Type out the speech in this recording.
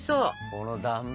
この断面。